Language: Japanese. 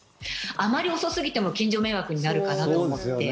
あまり遅すぎても近所迷惑になるかなと思って。